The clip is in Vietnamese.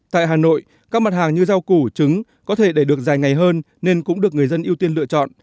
tại hà nội các mặt hàng như rau củ trứng có thể để được dài ngày hơn nên cũng được người dân ưu tiên lựa chọn